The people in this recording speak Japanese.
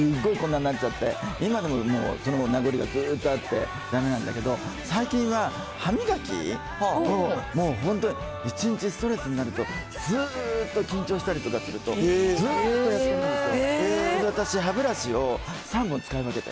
それで５０代のとき、すんごいこんなんなっちゃって、今でももう、その名残がずっとあって、だめなんだけど、最近は歯磨き、もう本当、一日ストレスになると、ずーっと緊張したりとかすると、ずーっとやってます。